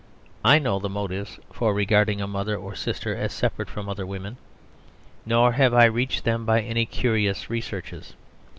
I know the motives for regarding a mother or sister as separate from other women; nor have I reached them by any curious researches.